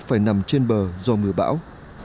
phải nằm trên bờ do mưa bão